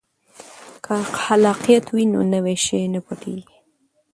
که خلاقیت وي نو نوی شی نه پټیږي.